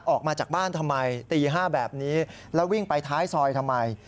ออกมาจากบ้านทำไมตี๕แบบนี้แล้ววิ่งไปท้ายซอยทำไม